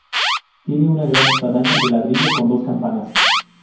Tiene una gran espadaña de ladrillo con dos campanas.